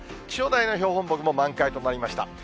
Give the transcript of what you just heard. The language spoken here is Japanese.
気象台の標本木も満開となりました。